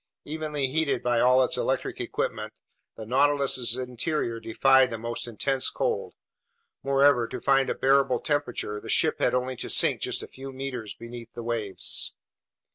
Evenly heated by all its electric equipment, the Nautilus's interior defied the most intense cold. Moreover, to find a bearable temperature, the ship had only to sink just a few meters beneath the waves.